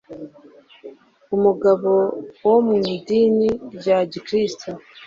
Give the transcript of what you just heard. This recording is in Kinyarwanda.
umugabo wo mu idini rya gikristu,